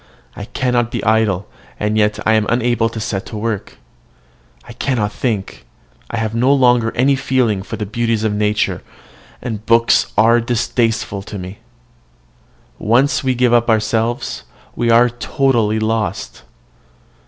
I cannot be idle, and yet I am unable to set to work. I cannot think: I have no longer any feeling for the beauties of nature, and books are distasteful to me. Once we give ourselves up, we are totally lost.